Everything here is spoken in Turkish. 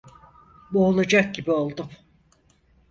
Boğulacak gibi oldum!